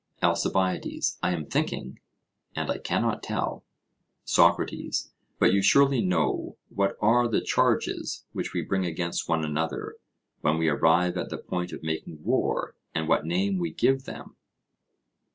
ALCIBIADES: I am thinking, and I cannot tell. SOCRATES: But you surely know what are the charges which we bring against one another, when we arrive at the point of making war, and what name we give them?